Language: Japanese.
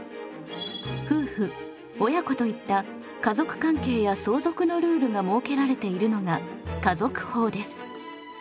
夫婦親子といった家族関係や相続のルールが設けられているのが家族法です。